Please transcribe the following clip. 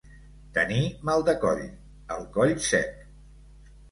Tenir mal de coll, el coll sec.